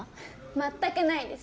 全くないです